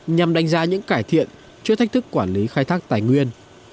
nhằm đánh giá những cải thiện trước thách thức quản lý khai thác tài nguyên